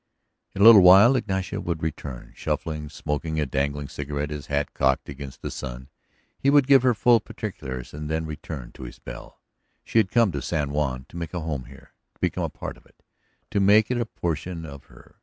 In a little while Ignacio would return, shuffling, smoking a dangling cigarette, his hat cocked against the sun; he would give her full particulars and then return to his bell. ... She had come to San Juan to make a home here, to become a part of it, to make it a portion of her.